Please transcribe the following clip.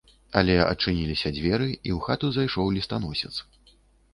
Але адчыніліся дзверы, і ў хату зайшоў лістаносец.